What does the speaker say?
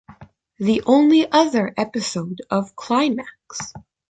The only other episode of Climax!